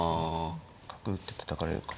角打ってたたかれるか。